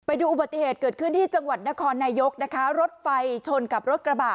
ไปดูอุบัติเหตุเกิดขึ้นที่จังหวัดนครนายกนะคะรถไฟชนกับรถกระบะ